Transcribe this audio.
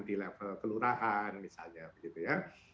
di level kelurahan misalnya